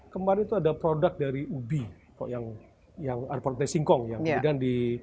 kemarin itu ada produk dari ubi yang produk dari singkong yang diberikan di